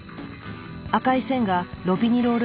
赤い線がロピニロール